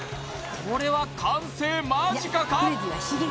これは完成間近か？